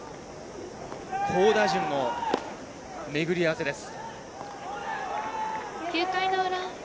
好打順のめぐり合わせです。